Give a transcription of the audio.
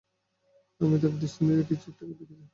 আমি দৈব দৃষ্টি দিয়ে কিছু একটা দেখেছি!